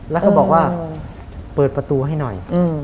แล้วก็บอกว่าเปิดประตูให้หน่อย